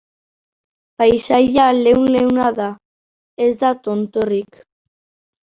Paisaia leun-leuna da, ez da tontorrik.